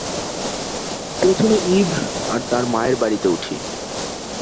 প্রথমে ইভ আর তার মায়ের বাড়িতে উঠি।